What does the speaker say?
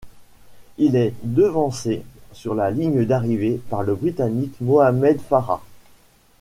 Il est devancé sur la ligne d'arrivée par le Britannique Mohamed Farah.